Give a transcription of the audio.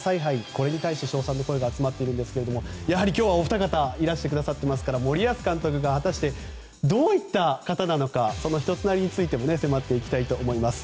これに関して称賛の声が集まっているんですが今日はお二方がいらしてくださっていますから森保監督が果たしてどういった方なのかその人となりについても迫っていきたいと思います。